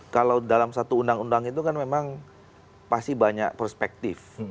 kalau dalam satu undang undang itu kan memang pasti banyak perspektif